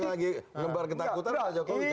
ini lagi ngebar ketakutan ala jokowi coba